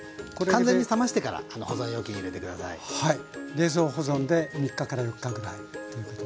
冷蔵保存で３４日くらいということですね。